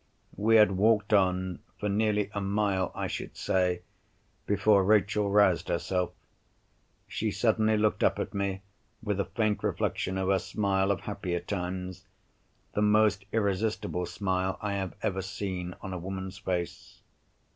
We had walked on, for nearly a mile I should say, before Rachel roused herself. She suddenly looked up at me with a faint reflection of her smile of happier times—the most irresistible smile I have ever seen on a woman's face.